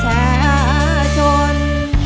เพลงเพลง